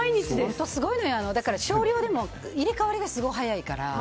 少量でも入れ替わりがすごい早いから。